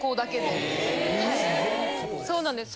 はいそうなんです。